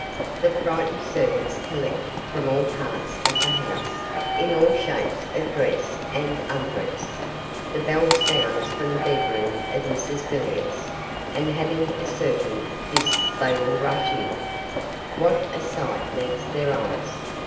The frightened servants collect from all parts of the house, in all shapes of dress and undress. The bell sounds from the bedroom of Mrs Villiers, and having ascertained this they all rush in. What a sight meets their eyes.